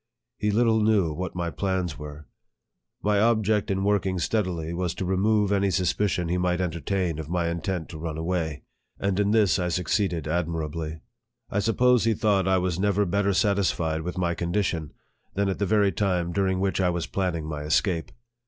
He little knew what my plans were. My object in working steadily was to remove any suspicion he might entertain of my in tent to run away ; and in this I succeeded admirably. I suppose he thought I was never better satisfied with my condition than at the very time during which I was planning my escape.